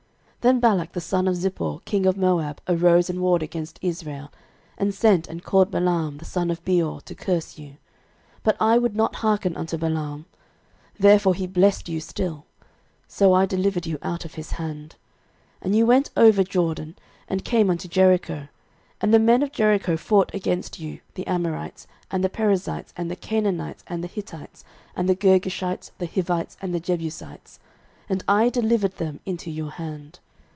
06:024:009 Then Balak the son of Zippor, king of Moab, arose and warred against Israel, and sent and called Balaam the son of Beor to curse you: 06:024:010 But I would not hearken unto Balaam; therefore he blessed you still: so I delivered you out of his hand. 06:024:011 And you went over Jordan, and came unto Jericho: and the men of Jericho fought against you, the Amorites, and the Perizzites, and the Canaanites, and the Hittites, and the Girgashites, the Hivites, and the Jebusites; and I delivered them into your hand.